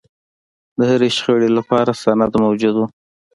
د هرې شخړې لپاره سند موجود و.